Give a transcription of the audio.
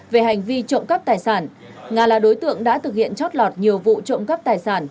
về hành vi trộm cắp tài sản nga là đối tượng đã thực hiện chót lọt nhiều vụ trộm cắp tài sản